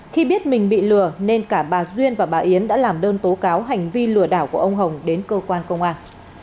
khi biết mình bị lừa nên cả bà duyên và bà yến đã làm đơn tố cáo hành vi lừa đảo của ông hồng đến cơ quan công an